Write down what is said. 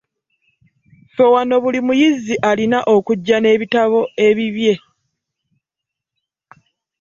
Ffe wano buli muyizi alina okujja n'ebitabo ebibye.